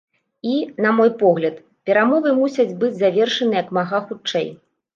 І, на мой погляд, перамовы мусяць быць завершаны як мага хутчэй.